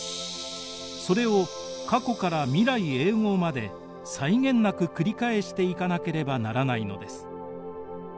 それを過去から未来永ごうまで際限なく繰り返していかなければならないのです。